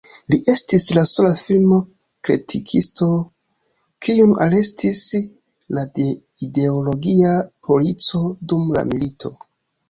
Li estis la sola filma kritikisto, kiun arestis la ideologia polico dum la milito.